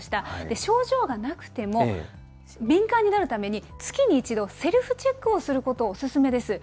症状がなくても、敏感になるために、月に１度、セルフチェックをすることをお勧めです。